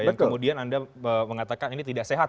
yang kemudian anda mengatakan ini tidak sehat